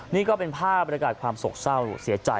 นี่ก็เป็นภาพบรรยากาศความโศกเศร้าเสียใจ